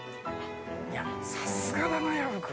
さすがだな薮君。